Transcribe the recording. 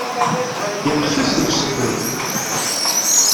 Yeqfez deg usewwi.